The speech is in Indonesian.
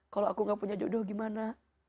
kalau aku tidak punya jodoh bagaimana